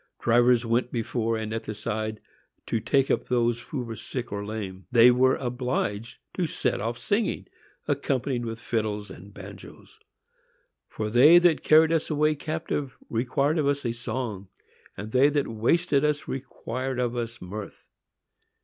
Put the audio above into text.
Drivers went before and at the side, to take up those who were sick or lame. They were obliged to set off singing! accompanied with fiddles and banjoes!—"_For they that carried us away captive required of us a song, and they that wasted us required of us mirth.